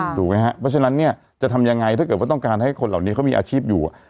ถูกไหมครับเพราะฉะนั้นเนี่ยจะทำยังไงถ้าเกิดว่าต้องการให้คนเหล่านี้เขามีอาชีพอยู่